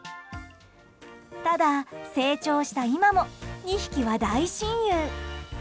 ただ、成長した今も２匹は大親友。